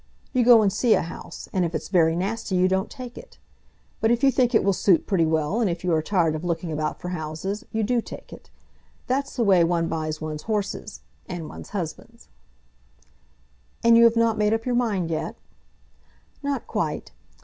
You go and see a house, and if it's very nasty you don't take it. But if you think it will suit pretty well, and if you are tired of looking about for houses, you do take it. That's the way one buys one's horses, and one's husbands." "And you have not made up your mind yet?" "Not quite.